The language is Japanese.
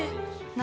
何？